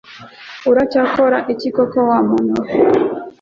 uracyakora iki koko wa muntu we?